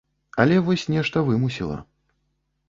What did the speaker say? Але вось нешта вымусіла.